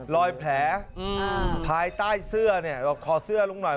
รอยแผลภายใต้เสื้อเนี่ยขอเสื้อลุงหน่อย